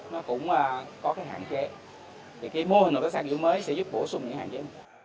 nó cũng có cái hạn chế thì cái mô hình hợp tác xã kiểu mới sẽ giúp bổ sung những hạn chế